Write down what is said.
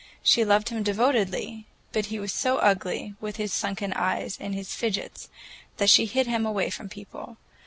She loved him devotedly, but he was so ugly, with his sunken eyes and his "fidgets," that she hid him away from people.